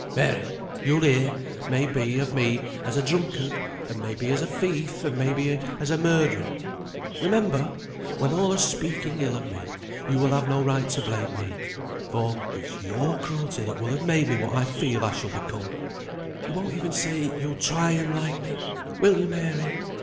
"Mary! you'll hear, may be, of me as a drunkard, and may be as a thief, and may be as a murderer. Remember! when all are speaking ill of me, you will have no right to blame me, for it's your cruelty that will have made me what I feel I shall become. You won't even say you'll try and like me; will you, Mary?"